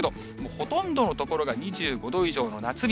ほとんどの所が２５度以上の夏日。